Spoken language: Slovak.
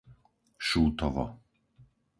Šútovo